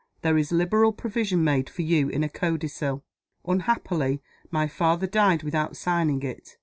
There is liberal provision made for you in a codicil. Unhappily, my father died without signing it.